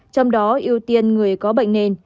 trong đó ưu tiên người có bệnh nền